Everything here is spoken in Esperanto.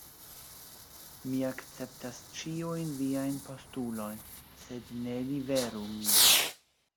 Mi akceptas ĉiujn viajn postulojn; sed ne liveru min.